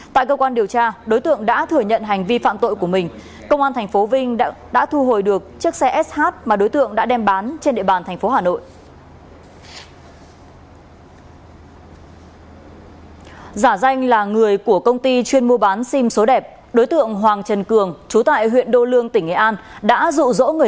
tại cơ quan điều tra đối tượng đã thừa nhận hành vi phạm tội của mình công an thành phố vinh đã thu hồi được chiếc xe sh mà đối tượng đã đem bán trên địa bàn thành phố hà nội